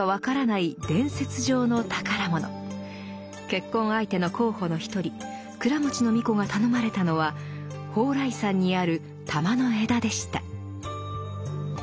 結婚相手の候補の一人庫持の皇子が頼まれたのは「蓬莱山にある珠の枝」でした。